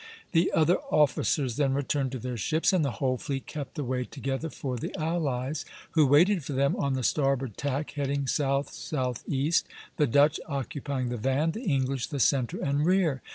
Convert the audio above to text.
The other officers then returned to their ships, and the whole fleet kept away together for the allies, who waited for them, on the starboard tack, heading south southeast, the Dutch occupying the van, the English the centre and rear.